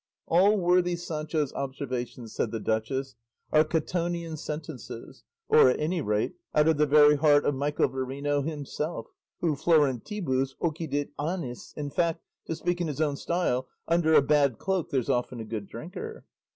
"All worthy Sancho's observations," said the duchess, "are Catonian sentences, or at any rate out of the very heart of Michael Verino himself, who florentibus occidit annis. In fact, to speak in his own style, 'under a bad cloak there's often a good drinker.